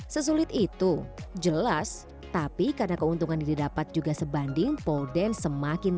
sesulit itu jelas tapi karena keuntungan yang didapat juga sebanding pole dance semakin